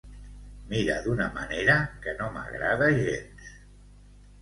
Mira d'una manera que no m'agrada gens.